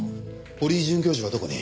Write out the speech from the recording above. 堀井准教授はどこに？